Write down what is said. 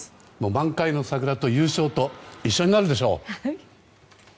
満開の桜と優勝と一緒になるでしょう！